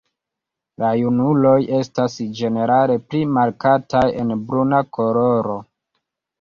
La junuloj estas ĝenerale pli markataj en bruna koloro.